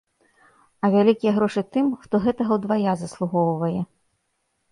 А вялікія грошы тым, хто гэтага ўдвая заслугоўвае.